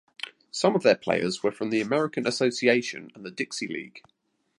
Some of their players were from the American Association and the Dixie League.